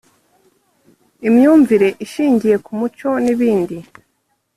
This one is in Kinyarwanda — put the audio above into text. imyumvire ishingiye ku muco n’ibindi